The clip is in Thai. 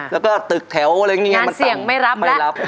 แล้วก็ตึกแถวอะไรอย่างนี้มันเสี่ยงไม่รับไม่รับ